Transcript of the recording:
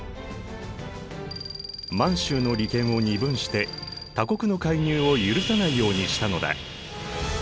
満洲の利権を二分して他国の介入を許さないようにしたのだ。